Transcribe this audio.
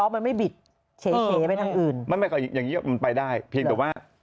มันไม่ง่ายังงี้มันไปได้เพียงแต่ว่า